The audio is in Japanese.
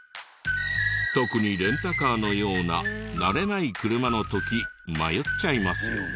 特にレンタカーのような慣れない車の時迷っちゃいますよね。